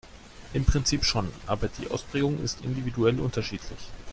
Im Prinzip schon, aber die Ausprägung ist individuell unterschiedlich.